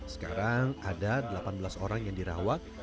sekarang ada delapan belas orang yang dirawat